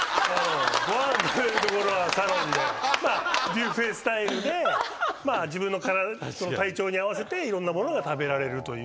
ビュッフェスタイルで自分の体調に合わせていろんなものが食べられるという。